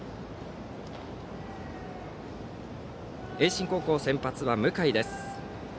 盈進高校、先発は向井です。